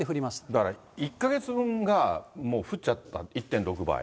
だから１か月分がもう降っちゃった、１．６倍。